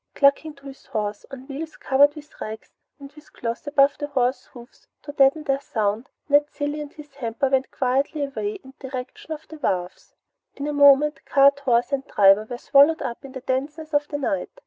Clucking to his horse, on wheels covered with rags, and with cloths about the horse's hoofs to deaden their sound, Ned Cilley and his hamper went quietly away in the direction of the wharfs. In a moment, cart, horse, and driver were swallowed up in the denseness of the night.